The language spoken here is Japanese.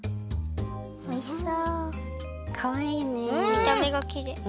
みためがきれい。